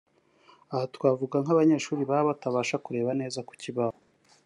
aha twavuga nk’abanyeshuri baba batabasha kureba neza ku kibaho